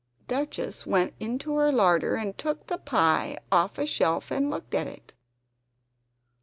Duchess went into her larder and took the pie off a shelf and looked at it.